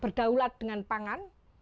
berdaulat dengan pangan